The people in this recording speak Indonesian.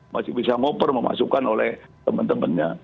masih bisa ngoper memasukkan oleh temen temennya